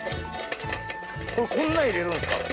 これこんな入れるんですか？